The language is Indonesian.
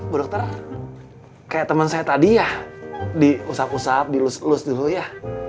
bu dokter kayak temen saya tadi ya diusap usap di lus lus dulu ya